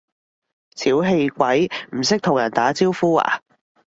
小氣鬼，唔識同人打招呼呀？